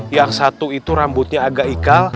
yang satu itu rambutnya agak ikal